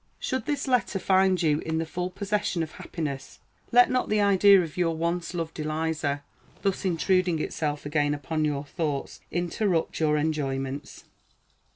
Should this letter find you in the full possession of happiness, let not the idea of your once loved Eliza, thus intruding itself again upon your thoughts, interrupt your enjoyments.